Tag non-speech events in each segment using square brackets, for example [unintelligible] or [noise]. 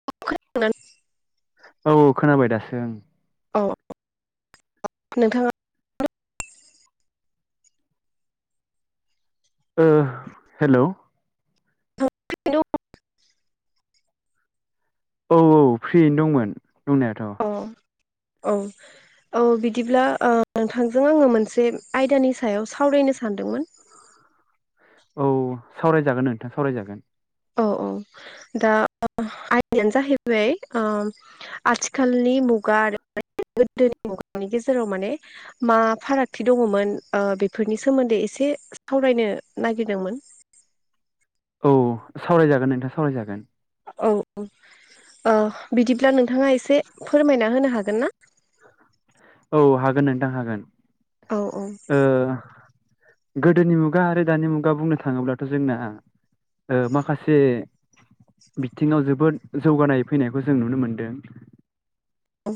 [unintelligible] औ औ खोनाबाय दासो ओं। औ [unintelligible] नोंथाङा ओ हेलौ [unintelligible] औ औ फ्रियैनो दंमोन औ दंनायाथ' औ। औ बिदिब्ला ओ नोंथांजों आङो मोनसे आयदानि सायाव सावरायनो सानदोंमोन। औ सावरायजागोन नोंथां सावरायजागोन। औ औ। दा आयदायानो जाहैबाय ओ आथिखालनि मुगा आरो गोदोनि मुगानि गेजेराव माने मा फारागथि दङ'मोन ओ बेफोरनि सोमोन्दै एस से सावरायनो नागिरदोंमोन। [inaudible] औ सावरायजागोन नोंथां सावरायजागोन। औ औ ओ बिदिब्ला नोंथाङा एसे फोरमायना होनो हागोन ना? [inaudible] औ हागोन नोंथां हागोन। औ औ। ओ गोदोनि मुगा आरो दानि मुगा बुंनो थाङोब्लाथ' जोंना ओ माखासे बिथिंङाव जोबोद जौगानाय फैनायखौ जों नुनो मोनदों। औ।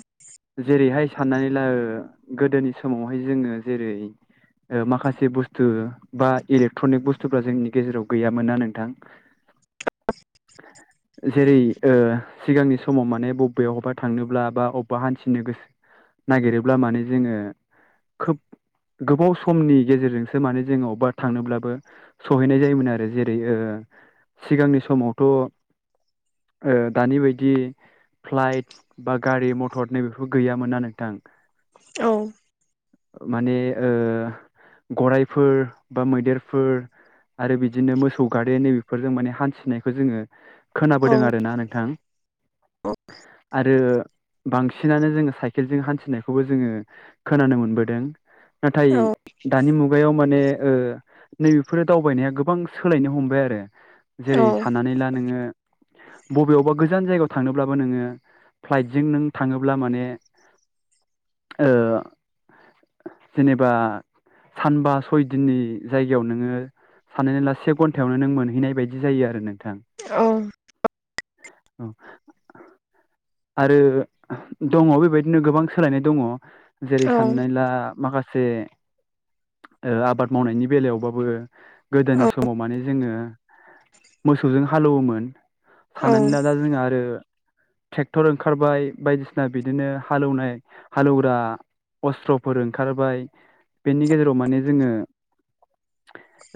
जेरैहाय साननानै ला गोदोनि समावहाय जोङो जेरै ओ माखासे बुस्थु बा इलेक्ट्रनि बुस्थुफ्रा जोंनि गेजेराव गैयामोन ना नोंथां [inaudible] जेरै ओ सिगांनि समाव माने बबेबायावबा थांनोब्ला बा अबबा हान्थिनो गोसो नागिरोब्ला माने जोङो खोब गोबाव समनि गेजेरजोंसो माने जोङो अबबा थांनोब्लाबो सहैनाय जायोमोन आरो जेरै ओ ओ सिगांनि समावथ' ओ दानि बायदि फ्लाइट बा गारि मथर नैबेफोर गैयामोन ना नोंथां। औ। माने ओ गरायफोर बा मैदेरफोर आरो बिदिनो मोसौ गारि नैबेफोरजों माने हान्थिनायखौ जोङो औ खोनाबोदों आरोना नोंथां। आरो बांसिनानो जोङो साइकेलजों हान्थिनायखौबो जोङो खोनानो मोनबोदों। नाथाय औ दानि मुगायाव माने ओ नैबेफोरो दावबायनाया गोबां सोलायनो हमबाय आरो। जेरै साननानै ला नोङो बबेयावबा गोजान जायगायाव थांनोब्लाबो नोङो फ्लाइटजों नों थाङोब्ला माने ओ जेनेबा सानबा सय दिननि जायगायाव नोङो साननानै ला से घन्टायावनो नों मोनहैनाय बायदि जायो आरो नों। ओं। औ। आरो दङ' बेबायदिनो गोबां सोलायनाय दङ'। जेरै साननानै औ ला माखासे ओ आबाद मावनायनि बेलायावबाबो गोदोनि समाव माने जोङो मोसौजों हालौवोमोन औ औ साननानै ला दा जोंहा आरो ट्रेक्टर ओंखारबाय बायदिसिना बिदिनो हालौनाय हालेवग्रा अस्त्रफोर ओंखारबाय बेनि गेजेराव माने जोङो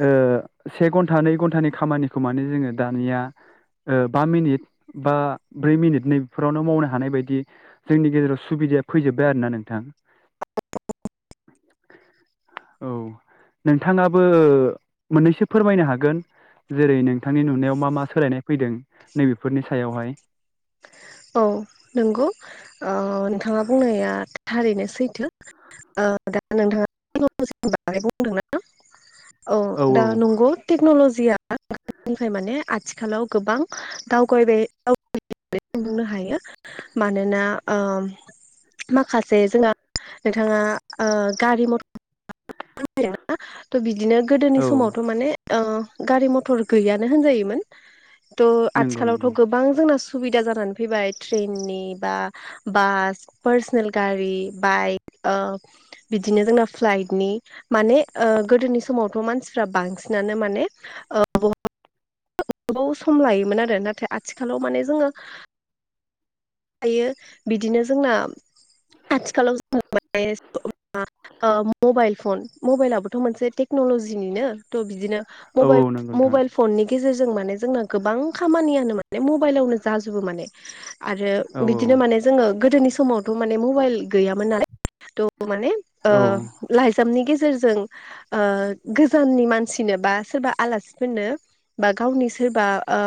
ओ से घन्टा नै घन्टानि खामानिखौ माने जोङो दानिया ओ बा मिनिट बा ब्रै मिनिट नैबेफोरावनो मावनो हानाय बायदि जोंनि गेजेराव सुबि दायो फैजोबबाय आरोना नोंथां औ नोंथाङाबो मोननैसो फोरमायनो हागोन जेरै नोंथांनि नुनायाव मा मा सोलायनाय फैदों नैबेफोरनि सायावहाय औ नंगौ ओ नोंथाङा बुंनाया थारैनो सैथो ओ दा नोंथाङा [unintelligible] [inaudible] औ दा नंगौ टेक्नलजि [unintelligible] माने आथिखालाव गोबां दावगबाय [unintelligible] बुंनो हायो मानोना ओ माखासे जोंहा नोंथाङा ओ गारि मथर [unintelligible] थ' बिदिनो गोदोनि औ समावथ' माने ओ गारि मथर गैयानो होनजायोमोन थ नंगौ नंगौ आथिखालावथ' गोबां जोंना सुबिदा जानानै फैबाय ट्रेननि बा बास पार्सनेल गारि बाइक ओ बिदिनो जोंना फ्लाइटनि माने ओ गोदोनि समावथ' मानसिफ्रा बांसिनानो माने बहा गोबाव सम लायोमोन आरो नाथाय आथिखालाव माने जोङो‌ हायो बिदिनो जोंना आथिखालाव जों माने ओ मबाइल फन मबाइलबोथ' मोनसे तेकनल लजियानो थ बिदिनो औ मबाइल औ नंगौ नोंथां मबाइल फननि गेजेरजों माने जोंना गोबां खामानियानो माने मबाइलावनो जाजोबो माने आरो औ बिदिनो माने जोङो गोदोनि समावथ' माने मबाइल गैयामोन नालाय त माने ओ औ लायजामनि गे जेरजों ओ गोजाननि मानसिनो बा सोरबा आलासिफोरनो बा गावनि सोरबा ओ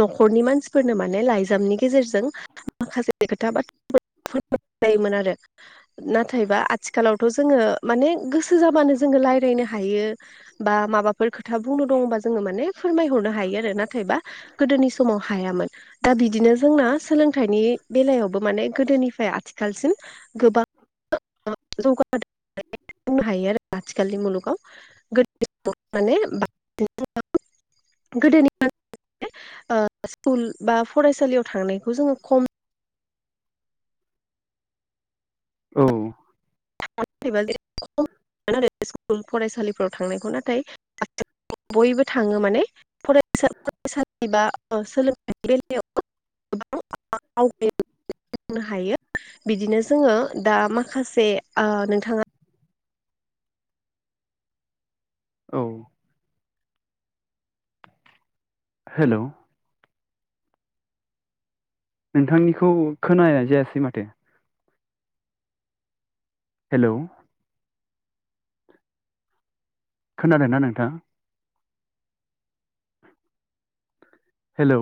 न'खरनि मानसिफोरनो माने लाइजामनि गेजेरजों माखासे खोथा बाथ्रा फोर जायोमोन आरो नाथायबा आथिखालावथ' जोङो माने गोसो जाबानो जोङो रायज्लायनो हायो बा माबाफोर खोथानो दङबा जोङो माने फोरमायहरनो हायो आरो नाथायबा गो दोनि समाव हायामोन दा बिदिनो जोंना सो लोंथायनि बेलायावबो माने गोदोनिफ्राय आथिखालसिम गोबां जौगानो [unintelligible] हायो आरो आथिखालनि मुलुगाव [unintelligible] माने [unintelligible] गोदोनि स्कुल बा फरायसालियाव थांनायखौ जोङो खम औ इस्कुल फरायसा [unintelligible] इस्कुलाव थांनायखौ नाथाय बयबो थांङो माने फसा फरायसालि बा सोलोंथाइ [unintelligible] नो हायो बिदिनो जोंङो दा माखासे [unintelligible] ओ नोंथाङा औ हेलौ नोंथांनिखौ खोनाय जायासै माथो हेलौ [inaudible] खोनादोंना नोंथाङा? [inaudible] हेलौ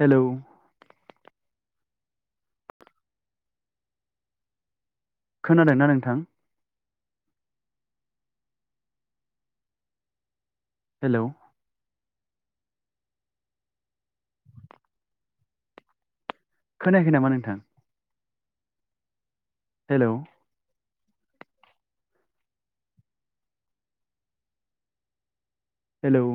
हेलौ खोनादोंना नोंथां? हेलौ खोनायाखै नामा नोंथां? Hello hello